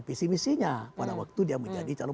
pcmc nya pada waktu dia menjadi calon